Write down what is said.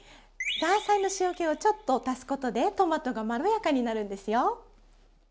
ザーサイの塩けをちょっと足すことでトマトがまろやかになるんですよ。